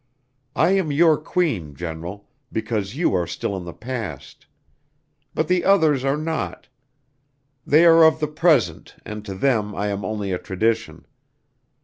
I am your queen, General, because you are still in the past. But the others are not. They are of the present and to them I am only a tradition.